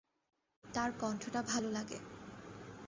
তার কন্ঠটা ভালো লাগে।